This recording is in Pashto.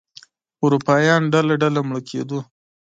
اروپایان ډله ډله مړه کېدل.